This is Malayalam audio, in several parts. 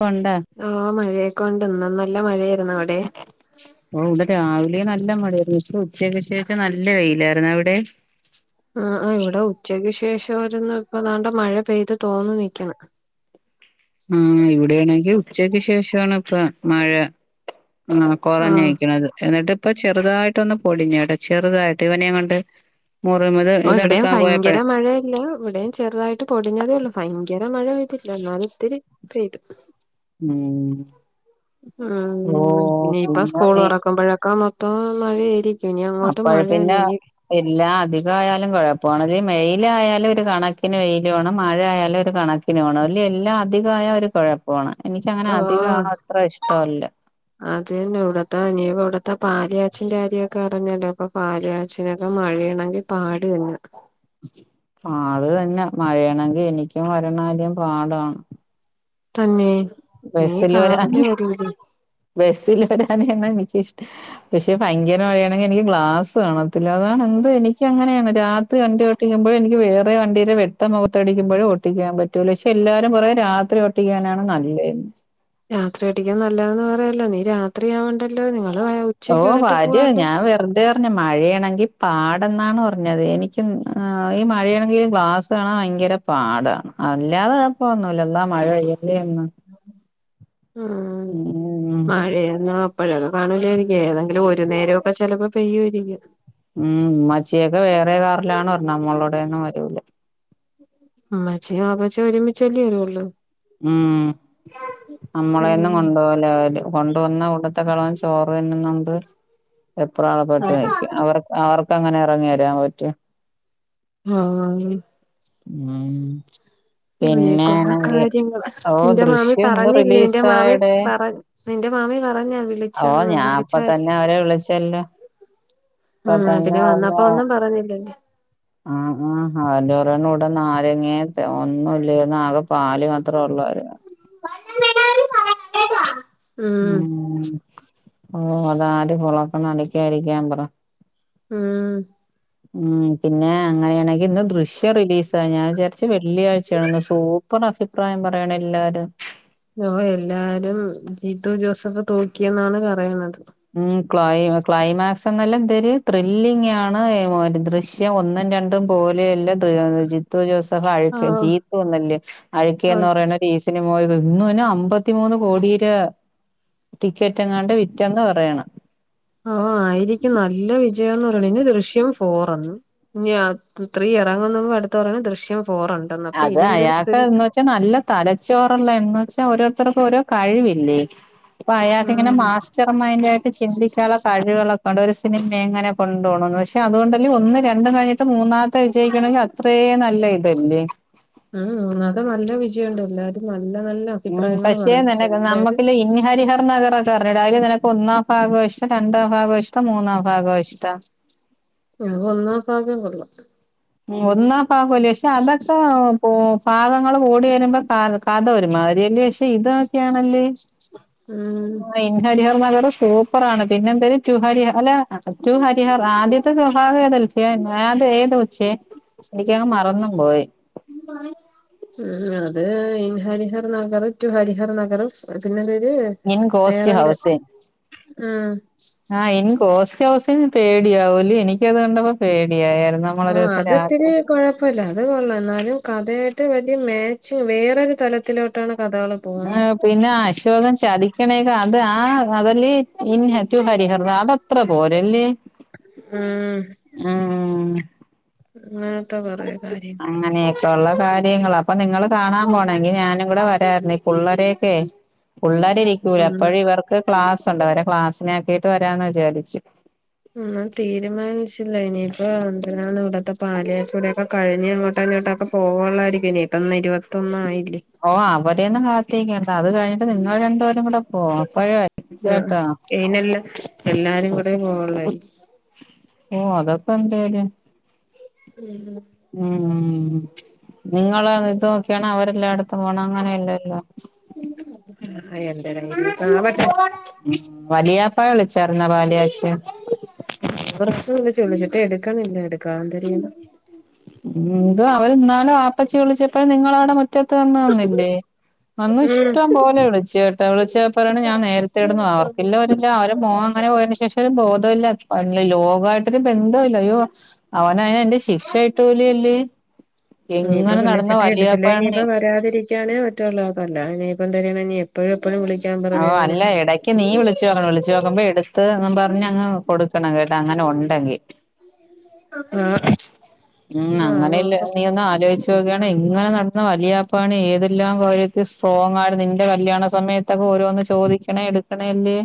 കൊണ്ടാ? ഓഹ് മഴയെക്കൊ ണ്ട്, ഇന്ന് നല്ല മഴയായിരുന്നു. അവിടെ? ഓഹ് ഇവിടെ രാവിലേ നല്ല മഴയായിരുന്നു. പക്ഷെ ഉച്ചക്ക് ശേഷം നല്ല വെയിലായിരുന്നു. അവിടെ? ആഹ് ആഹ് ഇവടെ ഉച്ചയ്ക്ക് ശേഷവാരുന്ന്. ഇപ്പൊ ദാ ണ്ടെ മഴ പെയ്ത് തോർന്നു നിക്കണ്. ആഹ് ഇവിടെയാണെങ്കി ഉച്ചക്ക് ശേഷവാണ് ഇപ്പ മഴ. ആന് ആഹ് കൊറഞ്ഞഴക്ക്ണത്. എന്നിട്ടിപ്പ ചെറുതായിട്ടൊന്ന് പൊടിഞ്ഞേട്ടാ ചെറുതായിട്ട് ഇവനെം ങ്ങൊണ്ട് [unintelligible] ഓഹ് ഇവിടെയും ഭയങ്കര മഴയല്ല. ഇവിടെം ചെറുതായിട്ട് പൊടിഞ്ഞതേ ഒള്ളൂ ഭയങ്കര മഴ പെയ്തില്ല എന്നാലും ഇത്തിരി പെയ്തു. ഉം ഓ ഉം പിന്നെ ഇപ്പ സ്കൂൾ തൊറക്കുമ്പോഴൊക്ക മൊത്തം മഴയായ്രി ക്ക്യും. ഇനി അങ്ങോട്ട് മഴ തന്നെ. ഇനി എല്ലാ അധിക ആയാലും കുഴപ്പമാണ് ത് മെയിലായാലും ഒരു കണക്കിന് വെയിലു ആണ് മഴയായാലും ഒരു കണ ക്കിന് വാണം. ഇല്ലെ എല്ലാം അധികവായാ ഒരു കുഴപ്പ ആണ്. എനിക്കങ്ങനെ അധികമാവ്ണ അത്ര ഇഷ്ടമല്ല. അതന്നെ ഇവിടത്തെ ഇനിപ്പ ഇവിടത്തെ പാല്യാച്ചിന്റെ കാര്യവൊക്കെ അറിഞ്ഞല്ലോ. അപ്പം പാല് കാ ച്ചിനൊക്കെ മഴയാണെങ്കി പാട് തന്നെ. പാട് തന്നെ. മഴയാണെങ്കി എനിക്കും വരണ കാര്യം പാടാണ്. തന്നെ നീ ബസ്സില് കാറ്‌ല് വരാന് വരൂടി ബസ്സില് വരാനാണ് എനിക്കിഷ്ടം പക്ഷെ ഭയങ്കര മഴയാണെങ്കി എനിക്ക് ഗ്ലാസ് കാണത്തില്ല അതാണ് എന്ത് എനിക്ക് അങ്ങനെയാണ് രാത്രി വണ്ടി യോട്ടിക്കുമ്പോ എനിക്ക് വേറെ വണ്ടീരെ വെട്ടം മുഖത്ത്ടിക്കുമ്പോയും ഒട്ടിക്കാൻ പറ്റൂല പക്ഷെ എല്ലാരും പറയും രാത്രി ഓട്ടിക്കാനാണ് നല്ലേന്ന് രാത്രി ഓടിക്കാൻ നല്ലാതാന്ന് പറയല്ലോ നീ രാത്രിയാവണ്ടല്ലോ നിങ്ങള് ഉച്ചയ്ക്ക് ഓഹ് വന്നിട്ട് വരും പോവാല്ലോ ഞാൻ വെറ് തെ പർഞ്ഞ് മഴയാണെങ്കി പാടെന്നാണ് പറഞ്ഞത് എനിക്ക് ഈ ആ മഴയാണെങ്കി ഗ്ലാസ് കാണാൻ ഭയങ്കര പാടാണ് അല്ലാതെ കൊഴപ്പമൊന്നുല്ല ഇന്നാ മഴ പെയ്യെല്ലേ ഇന്ന് ഉം ഉം മഴയൊന്നും ഇപ്പോഴൊക്കെ കാണൂല്ലായിരിക്കും ഏതെങ്കിലും ഒരു നേരവൊക്കെ ചെലപ്പോ പെയ്യുമായിരിക്കും ഉം ഉമ്മച്ചിയൊക്കെ വേറെ കാറിലാണ് വര്ണെ നമ്മളോടെയൊന്നും വരൂല ഉമ്മച്ചിം വാപ്പച്ചിം ഒരുമിച്ചല്ലേ വരുവൊള്ളൂ ഉം നമ്മളെയൊന്നും ഉം കൊണ്ടോവ ത്തില്ല അവര് കൊണ്ടുവന്ന കൂട്ടത്തെക്കാളും അവൻ ചോറ് തിന്ന്ന്നോണ്ട് വെപ്രാളപ്പെട്ട് നിക്കും അവർ അവർക്കങ്ങനെ എറങ്ങി വരാൻ പറ്റോ ആഹ് ഉം ഇങ്ങനെയൊക്കെയുള്ള പിന്നെയാണെങ്കി കാര്യങ്ങള് ഓ നിന്റെ മാമി ദൃശ്യം ഇന്ന് പറഞ്ഞില്ലേ നിന്റെ മാമി റിലീസായെടെ പറ നിന്റെ മാമി പറഞ്ഞാ ഓഹ് വിളിച്ചെന്ന് ഞാ വിളിച്ചാ അപ്പത്തന്നെ അവരെ വിളിച്ചല്ലോ ഇപ്പ ആഹ് തന്നെ ഇങ്ങാട്ടക്ക് വന്നപ്പോ പറഞ്ഞു ഒന്നും പറഞ്ഞില്ല അല്ലേ? ആഹ് ആഹാ ആലു ന്നൂടെ നാരങ്ങേം ഒന്നുംല്ലേന്നു ആകെ പാല് മാത്രേ ഒള്ളായിരുന്നു ല്ല [unintelligible] ഉം ഓഹ് ആഹ് നാല് പൊളോക്ക ന്നാ അടിക്കാതിരിക്കാൻ പറ ആഹ് ഉം പിന്നെ അങ്ങനെയാണെങ്കി ഇന്ന് ദൃശ്യം റിലീസായി ഞൻ വിചാരിച്ച് വെള്ളിയാഴ്ച്ചയാണെന്ന് സൂപ്പ ർ അഭിപ്രായം പറയ്ണെല്ലാരും ഓഹ് എല്ലാരും ജീത്തു ജോസഫ് തൂക്കിയെന്നാണ് പറയുന്നത് ഉം ക്ലൈ ക്ലൈമാക്സ് എന്നല്ലാം എന്തെര് ത്രില്ലിംഗാണ് ദൃശ്യ ദൃശ്യം ഒന്നും രണ്ടും പോലെയല്ല ജിത്തു ജോസഫ് അഴക്ക് ആഹ് ജീപ്പ് വന്നില്ലേ ആഹ് അഴുക്കേന്ന് പറയുന്ന ഒരു ഈ സിനിമ പോയത് ഇന്ന് തന്നെ അമ്പത്തിമൂന്ന് കോടിയുടെ ടിക്കറ്റെങ്ങാണ്ട് വിറ്റന്ന് പറ യണ് ആഹ് ആയിരിക്കും നല്ല വിജയംന്ന് പറയണ് ഇനി ദൃശ്യം ഫോറെറങ്ങു ഇഞ്ഞ് ത്രീ എറങ്ങുന്നും അടുത്തു പറഞ്ഞു ദൃശ്യം ഫോറുണ്ടന്ന് അപ്പൊ ഇതെന്തെരു ത്രി പക്ഷെ നല്ല തലച്ചോറുള്ള എന്ന് വെച്ചാ ഓരോരുത്തർക്കും ഓരോ കഴിവില്ലേ? അപ്പൊ അയാക്കിങ്ങനെ ഉം മാ സ്റ്റർ മൈൻ്റായിട്ട് ചിന്തിക്കാനുള്ള കഴിവുകളൊക്കെണ്ട് ഒരു സിനിമ എങ്ങനെ കൊണ്ടു പോകണന്ന് പക്ഷെ അതുകൊണ്ടല്ല ഒന്ന് രണ്ടും കഴിഞ്ഞിട്ട് മൂന്നാമത്തെ വിജയിക്കണമെങ്കി അത്രേ നല്ലയിതല്ലേ? ആഹ് അത നല്ല വിജയുണ്ട് എല്ലാരും നല്ല നല്ല അഭിപ്രായങ്ങള് പറഞ്ഞത് എല്ലാരും ഇ ഹരിഹർ നഗറൊക്കെ അറിഞ്ഞൂടെ അയില് നിനക്ക് ഒന്നാം ഭാഗം ഇഷ്ട്ടം രണ്ടാം ഭാഗോയിഷ്ട്ടം മൂന്നാം ഭാഗോയിഷ്ട്ടം? ആഹ് അത് ഒന്നാം ഭാഗം കൊള്ളാം ഒന്നാം ഭാഗവല്ലേ പക്ഷേ അതൊക്കെ പോ ഭാഗങ്ങള് കൂടി വരുമ്പോ കഥ ഒരുമാതിരിയല്ലേ? പക്ഷെ ഇത് നോക്കിയാണല്ലേ? ഉം ആഹ് ഇൻ ഹരിഹർനഗർ സൂപ്പറാണ് പിന്നെന്തേനു ടു ഹരിഹർ അല്ല ടു ഹരിഹർ ആദ്യത്തെ [unintelligible] അത [unintelligible] അത് ഏത കൊച്ചേ എനിക്കങ് മറന്നും പോയി [unintelligible] ഉം അത് ഇൻ ഹരിഹർ നഗർ ടു ഹരിഹർ നഗർ പിന്നെ വര് ഇൻ ഗോസ്റ്റ് ഹൗസിങ് ആഹ് ആഹ് ഇൻ ഗോസ്റ്റ്ഹൗസിങ് പേടിയാ ഓല് എനിക്കത് കണ്ടപ്പോ പേടിയായാര്ന്നു അപ് ആഹ് അത് ത്തിരി കൊഴ പ്പല്ല അത് കൊള്ള എന്നാലും കഥയായിട്ട് വല്യ മാച്ചിങ് വേറൊരു തലത്തിലോട്ടാണ് കഥാള് ഏ പ് പിന്നെ അശോകൻ ചതിക്കണൊക്കെ അത് ആ അതല്ലേ ഇൻ ടു ഹരിഹർ അതൊ ത്ര പോരല്ലേ ഉം ഉം ങ്ങേത്തെ കൊറേ കാര്യങ്ങള് ത്തൊള്ള കാര്യങ്ങള് അപ്പൊ നിങ്ങള് കാണാൻ പോണെങ്കി ഞാനും കൂടെ വരാര്ന്നു ഈ പുള്ളേരൊക്കെ പുള്ളരിരിക്കൂല ഉം അപ്പഴും ഇവർക്ക് ക്ലാസുണ്ട് അവരെ ക്ലാസ്സിനാക്കിട്ട് വരാന്ന് വിചാരിച്ചു ഒന്നും തീരുമാനിച്ചില്ല ഇനിയിപ്പോ എന്തിനാണ് ഇവ്ട്ത്തെ പാല് കാച്ചൂടിയൊക്കെ കഴിഞ് അങ്ങോട്ടോ ഇങ്ങോട്ടൊക്കെ പോവള്ളായിരിക്കും ഇനിപ്പൊ ഇന്ന് ഇരുപത്തൊന്നായില്ലേ ഓ അവരെയൊന്നും കാത്തിക്കണ്ടോ അത് കഴിഞ്ഞിട്ട് നിങ്ങൾ രണ്ട് പേരും കൂടെ പോ അപ്പോഴ ആ അ ഇയ്നെല്ലം എല്ലാരും കൂടെ പോവൊള്ളായി ഓ അതൊക്കെ എന്തേലും ഉം നിങ്ങള് ഇത് നോക്ക്യാണോ അവരെല്ലാട്ത്തും പോണം അങ്ങനെയല്ലല്ലോ [unintelligible] ഉം വലിയാപ്പ വിളിച്ചാർന്നോ പാല് കാച്ച് [unintelligible] വിളിച്ച്ട്ട് എടുക്കുന്നില്ല എടുക്കാ ന്തെരെയ്യ്ന്നു ഉം ഇത് അവർന്നാളും അപ്പച്ചി വിളിച്ചപ്പഴും നിങ്ങളവടെ മുറ്റത്ത് വന്ന് നിന്നില്ലേ അന്ന് ഇഷ്ടം ഉം പോലെ വിളിച്ച് കേട്ടോ വിളിച്ച പറയാണ് ഞാൻ നേരത്തെ ഇടന്ന് അവർക്കില്ല [unintelligible] ല്ല അവരെ മോ അങ്ങനെ പോയതിന് ശേഷം ഒരു ബോധല്ല അല്ല ലോകായിട്ടൊരു ബന്ധോല്ല അയ്യോ അവനയ് അയ്ന്റെ ശിക്ഷ കിട്ടുലല്ലേ എങ്ങനെ നടന്ന വല്യാപ്പാണ് വരാതിരി ക്യാന് മറ്റൊരു ലോകല്ല ഇനിപ്പ [unintelligible] എപ്പഴും എപ്പഴും വിളിക്ക ഓ അല്ല എടക്ക് നീ വിളിച്ചു പർഞ് വിളിച്ചോക്കുമ്പൊ എടുത്ത്ന്നും പർ മുന്നങ്ങ് കൊടുക്കണം കേട്ടോ അങ്ങനെ ഒണ്ടെങ്കി ആഹ് ഉം അങ്ങനില്ല നീ ഒന്ന് ആലോയ് ച്ചോക്കാണെ എങ്ങനെ നടന്ന വല്യാപ്പാണ് ഏതെല്ലാം കാര്യത്തിൽ സ്ട്രോങ്ങാര്ന്നു ഇന്റെ കല്യാണ സമയ ത്തൊക്കെ ഓരോന്ന് ചോദിക്കണേ എടുക്കണേ അല്ലേ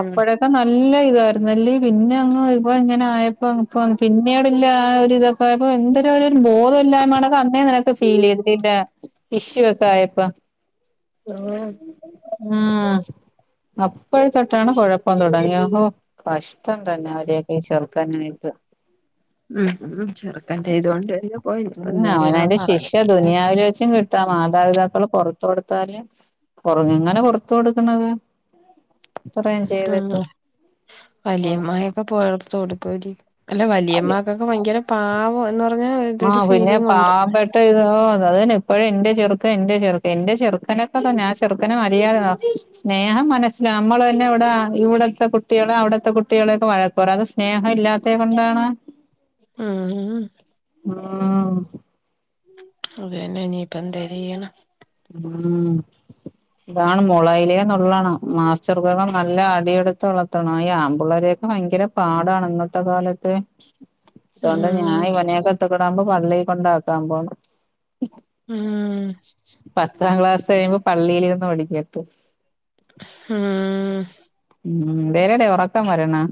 അപ്പഴൊ ക്കെ നല്ല ഇതാര്ന്നു അല്ലേ പിന്നങ്ങ് ഇപ്പ ഇങ്ങനായപ്പോ അപ്പൊ പിന്നീട്ല്ല ആ ഒരിതൊ പ്പായപ്പൊ എന്തരവരൊര് ബോധല്ലായ്മേക്കെ അന്നേ നിനക്ക് ഫീലെയ്തില്ലെ വിഷു ഒക്കെ ആയപ്പം ആഹ് ആഹ് അപ്പഴെ തൊട്ടാണ് കുഴപ്പം തുടങ്ങിയത് ഹോ കഷ് ടം തന്നെ അവരെയൊക്കെ ചേർക്കാനായിട്ട് ഉം ഉം ചെറ്ക്കന്റെ ഇത് കൊണ്ട് അയ്രം ഉം അവനവന്റെ ശിക്ഷ ദുനിയാവില് വെച്ചും കിട്ടാ മാതാപിതാക്കള് പാെറ്ത്ത് കൊടുത്താല് പൊറ് ഇങ്ങനെ പോറ്ത്ത് കൊടുക്കുന്നത് ഇത്രേം ചെയ്തിട്ട് അപാെറ്ത്ത് കൊടുക്കാേരി അല്ല വലിയമാക്കൊക്കെ ഭയങ്കര പാവ വാന്നാ കൊർഞ്ഞാ എന്തൊരു ഫീലിംഗ് ഉണ്ട് ട്ടെ ഇതൊ അത് അത് തന്നെ എപ്പഴും എന്റെ ചെറുക്കൻ എന്റെ ചെറുക്കൻ എന്റെ ചെറുക്കനൊക്കെ തന്നാ ആ ചെറുക്കനെ മതിയാതോ സ്നേഹം മനസ്സിലാ നമ്മള് തന്നെ ഇവിടെ ഇവിടത്തെ കുട്ടികള് അവിടത്തെ കുട്ടികളെയെക്കെ വഴക്കറിം അത് സ് സ്നേഹം ഇല്ലാത്തേ കൊണ്ടാണേ ഉം ഉം [unintelligible] അത് തന്നെ ഇനിയിപ്പന്തരീയ്യനാ ഉം ഇതാണ് മുളയിലേന്നുള്ളണം മാസ്റ്റർകൾ നല്ല അടികൊടുത്ത് വളർത്തണം ഈ ആമ്പിള്ളാരെ ക്കെ ഭയങ്കര പാടാണ് ഇന്നത്തെ കാലത്ത് അതോണ്ടാ ഞാൻ ഉം ഇവനെയെക്കെ എത്തക്കിടാവുമ്പൊ പള്ളീ കൊണ്ടാക്കാൻ പോണ് ഉം പത്താം ക്ലാസ് കഴിയുമ്പോ പള്ളിലിരിന്ന് പഠിക്കട്ടെ ഉം ഉം ന്തേരെടി ഒറക്കം വരണ്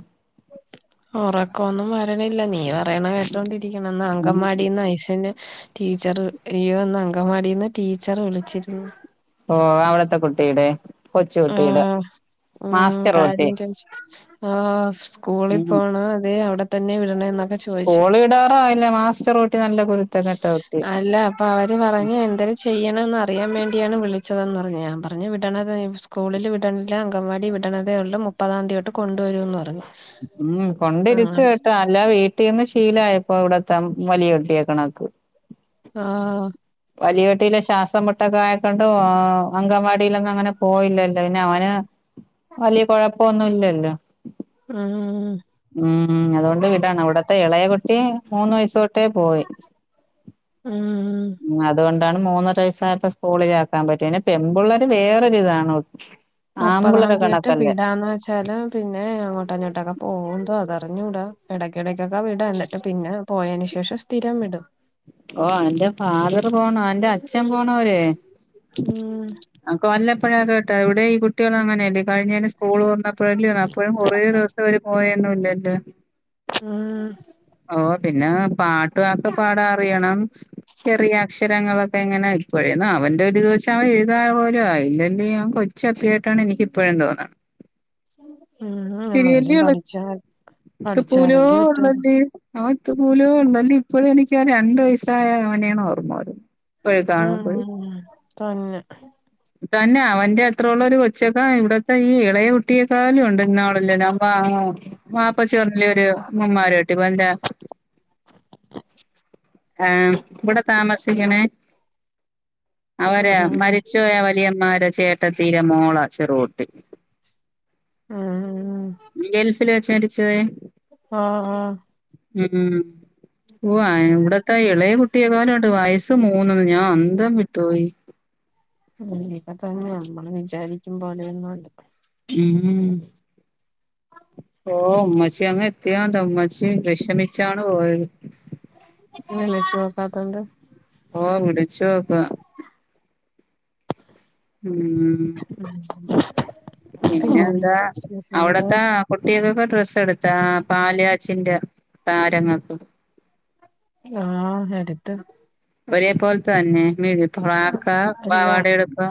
ഒറക്കംഒന്നും വരണില്ല നീ പറയ്ണ കേട്ടോണ്ടിരിക്ക്‌ണ് ഇന്ന് അങ്കവാടീന്ന് ഐഷൂന് ടീച്ചറ്‌ ലീവൊന്ന് അങ്കവാടീന്ന് ടീച്ചറ് വിളിച്ചിര്ന്നു ഓഹ് അവിടത്തെ കുട്ടീടെ ആഹ് ഉം കുട്ടി കാര്യം ചോയിച്ച് ആഹ് സ്കൂളിൽ പോണോ അതേ അവടെ തന്നെ വിടണെന്നൊക്കെ ചോയിച്ചു ഓഹ് ഇല്ല മാസ്റ്റർ കുട്ടി നല്ല കുരുത്തങ്കെട്ട കുട്ടി അല്ല അപ്പോ അവര് പറഞ്ഞ് എന്തരം ചെയ്യണെന്ന് അറിയാൻ വേണ്ടിയാണ് വിളിച്ചതെന്ന് പറഞ്ഞ് ഞാൻ പറഞ്ഞ് വിടണത് [unintelligible] സ്കൂളില് വിട്ണില്ല അങ്കൻവാടി വിടണതേ ഒള്ളൂ മുപ്പതാന്തിയൊട്ട് കൊണ്ടുവരൂന്ന് പറഞ്ഞു ഉം കൊണ്ടിരുത്ത് അങ്ങനെ കേട്ടാ അല്ലാ വീട്ടീന്ന് ശീലായപ്പോ ഇവിടെത്ത വലിയ കുട്ടിയാ കണക്ക് ആഹ് വലിയ കുട്ടിയിലെ ശ്വാസം മുട്ടൊക്കെ ആയക്കൊണ്ടും ഓ അങ്കൻവാടിലൊന്നും അങ്ങനെ പോയില്ലല്ലോ പിന്നെ അവന് വലിയ കൊഴപ്പൊന്നുംല്ലല്ലോ ഉം ഉം ഉം ഉം അതുകൊണ്ട് വിടാണാ അവടത്തെ എളയ കുട്ടി മൂന്ന് വയസ് തൊ ട്ടേ പോയി ഉം അതുകൊണ്ടാണ് മൂന്നര വയസ്സായപ്പോ സ്കൂളിലാക്കാൻ പറ്റ് പിന്നെ പെമ്പിള്ളേര് വേറൊര് ഇതാണോ മുപ്പതാം ന്തിയൊട്ട് വിടാന്ന് വെച്ചാല് പിന്നെ അങ്ങോട്ട് ഇഞോട്ടെക്കെ പോവും ന്തോ അതറിഞ്ഞൂടാ എടയ്ക്കിടക്കൊക്കെ വിടാ എന്നിട്ട് പിന്നെ പോയേന് ശേഷം സ്ഥിരം വിടും ഓഹ് അവന്റെ ഫാദർ പോണോ അവന്റെ അച്ഛൻ പോണോ വരെ ഉം അംക്ക് വല്ലപ്പഴെക്ക കിട്ടാ ഇവടെ ഈ കുട്ടികളും അങ്ങനെയല്ലേ കഴിഞ്ഞേന് സ്കൂള് തൊർന്നപ് പ്പഴല്ലേ അപ്പാെഴും കൊറേ ദിവസം ഇവര് പോയേന്നുംല്ലല്ലോ ഉം ഓഹ് പിന്നെ പാട്ട് ഒക്കെ പാടാ അറിയണം ചെറിയ അക്ഷരങ്ങളൊക്കെ എങ്ങനെ ഇപ്പോഴേന്നു അവന്റെ ഒരു ഇത് വെച്ച് അവൻ എഴുതാൻ പോലും ആയിഇല്ലങ്കി അവൻ കൊ ച്ചപ്പിയായിട്ടാണ് എനിക്ക് ഇപ്പഴും തോന്നുണത് ഉം ച്ചിരിയല്ലേ എന്നാലും ഉള്ളൂ പഠിച്ചാൽ ഇത്ത പൂലോ പഠിച്ചാലല്ലേ പറ്റുള്ളൂ ഉള്ളല്ലേ അവൻ ഇത്തപോലോ ഉള്ളല്ലെ ഇപ്പോഴും എനക്ക് ആ രണ്ടു വയസ്സായ അവനെയാണ് ഓർമ്മ വരും ഉം ഉം ഉം തന്നെ തന്നെ അവന്റെ അത്ര ഉള്ള ഒരു കൊച്ചക്കാ ഇവിടത്തെ ഈ ഇളയെ കുട്ടിയക്കാട്ട്ലും ഉണ്ട് ഇന്നാളല്ല ഞാപാ വാപ്പ ഷൊർണല്ലൂർ മൂമാരോട്ടി ഇപ്പ എന്താ ആഹ് ഇവിടെ താമസിക്കണേ അവര് ഉം മരിച്ച് പോയ വലിയമാരെ ചേട്ടത്തീരെ മോള ചെറൂട്ടി ആഹ് ആഹ് ഗൽഫിൽ വെച്ച് മരിച്ചോയ ആ ആ ഉം ഉം ഓ ഇവിടത്തെ എളയ കുട്ടിയെക്കാലും ഒണ്ട് വയസ്സ് മൂന്ന്ന്ന് ഞാ ൻ അന്തം വിട്ടുപോയി. [unintelligible] അപ്പ തന്നെ നമ്മള് വിചാരിക്കും പോലെയൊന്നുവല്ല. ഉം ഓ ഉമ്മച്ചി അങ്ങ് എത്തിയോന്തോ ഉമ്മച്ചി വെഷമിച്ചാണ് പോയത്. ഒന്നു വിളിച്ചു നോക്കാത്തതെന്താ? ഓ വിളിച്ചുനോക്കാം. ഉം [unintelligible] കുട്ടികക്കൊക്കെ ഡ്രസ്സ് എടുത്താ, പാലുകാച്ചിന്റെ താരങ്ങൾക്ക്? ആഹ് എടുത്ത്. ഒരേ പോലെത്തെ തന്നെ [inaudible] ഫ്രാക്കാ, അല്ല പാവാട എടുക്കാ?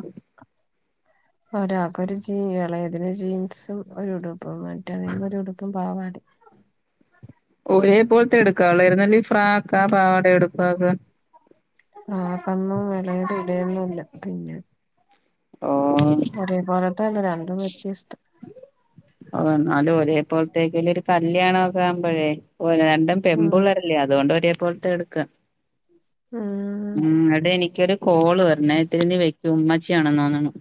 ഒരാൾക്കൊരു ജീ ഇളയതിന് ജീൻസും ഒരുടുപ്പും, മറ്റേതിനൊരു ഉടുപ്പും പാവാടയും. ഒരേ പോലത്തെ എടുക്കാവുള്ളേര്ന്നു അല്ലേ ഈ ഫ്രാക്കാ പാവാടയോ എടുക്ക ആതൊന്നും എളയത് ഇടുവേന്വില്ല പിന്നെ ഓഹ് ഒരേപോലത്തെയല്ല രണ്ടും വ്യത്യസ്തം ഓഹ് എന്നാലും ഒരേ പോലത്തേക്കല്ലേ ഒരു കല്യാണം ഒക്കെ ആകുമ്പോഴേ ഓ പിന്നേ രണ്ടും ഉം പെമ്പിള്ളേര് രല്ലേ അതുകൊണ്ട് ഒരേ പോലത്തെ എടുക്കാം, ഉം മം ഇടെ എനിക്കൊരു കോള് വരണെ, ഇത്തിരി നീ വെക്ക്, ഉമ്മച്ചിയാണെന്ന് തോന്നണ്.